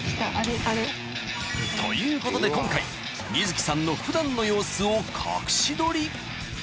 ［ということで今回泉貴さんの普段の様子を隠し撮り］